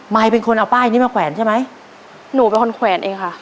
ยเป็นคนเอาป้ายนี้มาแขวนใช่ไหมหนูเป็นคนแขวนเองค่ะ